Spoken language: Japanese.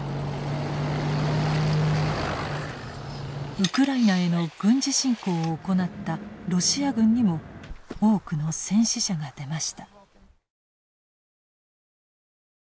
ウクライナへの軍事侵攻を行ったロシア軍にも多くの戦死者が出ました。